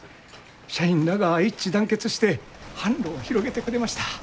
社員らが一致団結して販路を広げてくれました。